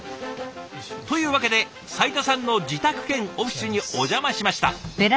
というわけで斉田さんの自宅兼オフィスにお邪魔しました。